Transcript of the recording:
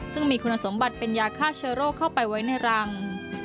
ซึ่งมีคุณสมบัติเป็นยาฆ่าเชื้อโรคเข้าไปไว้ในรัง